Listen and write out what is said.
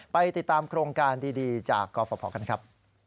ไปติดตามโครงการดีจากกรฟภกันครับ